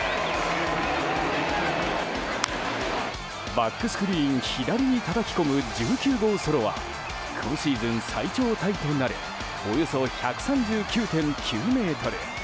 バックスクリーン左にたたき込む、１９号ソロは今シーズン最長タイとなるおよそ１３９．９ｍ。